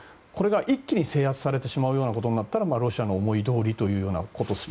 これが一気に制圧されるようなことになってしまったらロシアの思いどおりというようなこと。